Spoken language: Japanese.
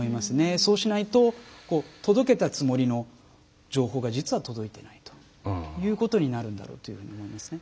そうしないと届けたつもりの情報が実は届いていないということになるんだろうというふうに思いますね。